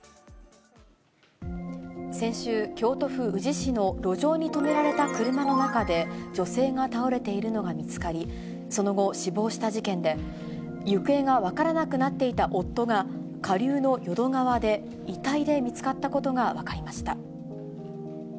先週、京都府宇治市の路上に止められた車の中で、女性が倒れているのが見つかり、その後、死亡した事件で、行方が分からなくなっていた夫が、下流の淀川で遺体で見つかったことが分かりました。